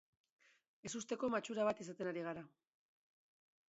Ezusteko matxura bat izaten ari gara.